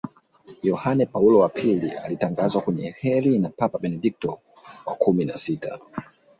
yohane paulo wa pili alitangazwa mwenye kheri na papa benedikto wa kumi na sita